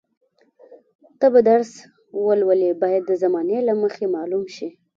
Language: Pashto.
ته به درس ولولې باید د زمانې له مخې معلوم شي.